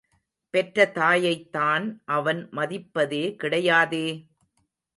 பெற்ற தாயைத்தான் அவன் மதிப்பதே கிடையாதே!